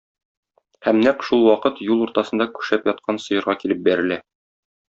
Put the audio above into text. Һәм нәкъ шул вакыт юл уртасында күшәп яткан сыерга килеп бәрелә.